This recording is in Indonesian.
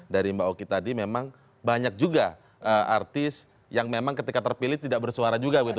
dari mbak oki tadi memang banyak juga artis yang memang ketika terpilih tidak bersuara juga begitu